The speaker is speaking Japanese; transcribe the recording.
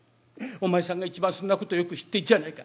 お前さんが一番そんなことをよく知ってんじゃないか。